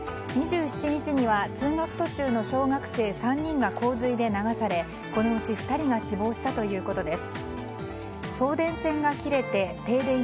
２７日には通学途中の小学生３人が洪水で流されこのうち、２人が死亡したということです。